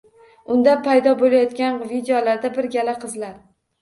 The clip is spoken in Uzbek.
Unda paydo bo‘layotgan videolarda bir gala qizlar.